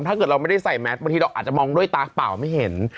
ถ้าเกิดเราไม่ได้ใส่แมสบางทีเราอาจจะมองด้วยตาเปล่าไม่เห็น